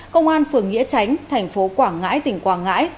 công an phường nghĩa tránh thành phố quảng ngãi tỉnh quảng ngãi